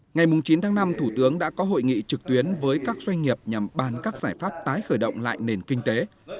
ngày chín tháng năm thủ tướng đã có hội nghị trực tuyến với các doanh nghiệp nhằm bàn các giải pháp tái khởi động lại nền kinh tế